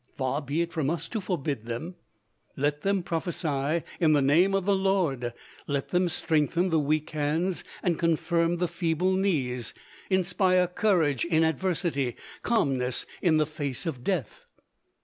Far be it from us to forbid them. Let them prophecy in the name of the Lord. Let them "strengthen the weak hands and confirm the feeble knees;" inspire courage in adversity, calmness in the face of death.